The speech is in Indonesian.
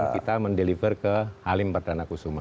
kita mendeliver ke halim perdana kusuma